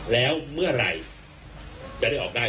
แล้วเมื่อไหร่จะได้ออกได้